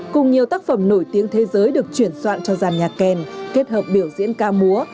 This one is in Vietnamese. cùng nhiều tác phẩm nổi tiếng thế giới được chuyển soạn cho giàn nhạc kèn kết hợp biểu diễn ca múa